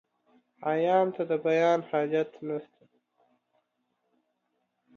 عيان ته ، د بيان حاجت نسته.